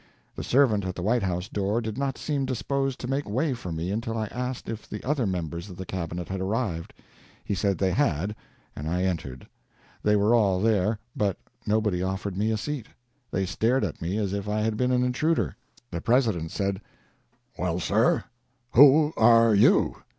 The servant at the White House door did not seem disposed to make way for me until I asked if the other members of the Cabinet had arrived. He said they had, and I entered. They were all there; but nobody offered me a seat. They stared at me as if I had been an intruder. The President said: "Well, sir, who are you?"